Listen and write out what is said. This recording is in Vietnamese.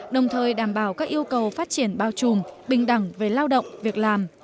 đồng thời đảm bảo các yêu cầu phát triển bao trùm bình đẳng về lao động việc làm